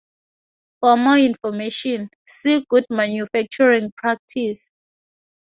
For more information, see good manufacturing practice.